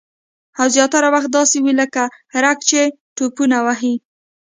او زیاتره وخت داسې وي لکه رګ چې ټوپونه وهي